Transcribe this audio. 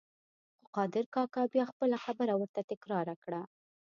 خو قادر کاکا بیا خپله خبره ورته تکرار کړه.